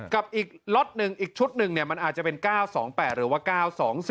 กับอีกล็อตหนึ่งอีกชุดหนึ่งมันอาจจะเป็น๙๒๘หรือว่า๙๒๔